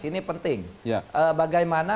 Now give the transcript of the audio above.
ini penting bagaimana